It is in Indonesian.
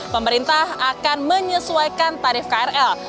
pemerintah akan menyesuaikan tarif krl